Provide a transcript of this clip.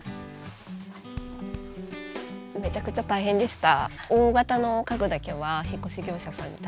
めちゃくちゃ大変でした。